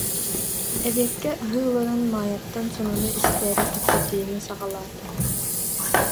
Эбиэккэ аһыы олорон Маайаттан сонуну истээри кэпсэтиини саҕалаата: